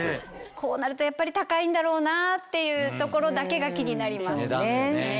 こうなるとやっぱり高いんだろうなっていうところだけが気になります。